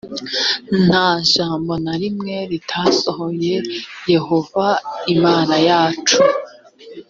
nta jambo na rimwe ritasohoye yehova imana yacu